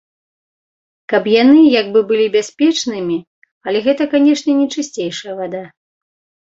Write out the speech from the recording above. Каб яны як бы былі бяспечнымі, але гэта, канечне, не чысцейшая вада.